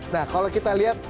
nah kalau kita lihat